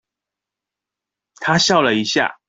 她笑了一下